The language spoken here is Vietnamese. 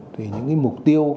thì những mục tiêu